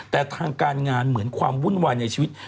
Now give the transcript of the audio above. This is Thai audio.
แต่ทางการงานเหมือนความวุ่นวายในชีวิต